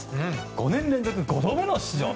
５年連続５度目の出場と。